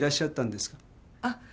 あっ。